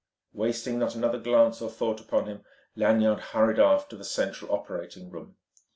Wasting not another glance or thought upon him Lanyard hurried aft to the central operating room.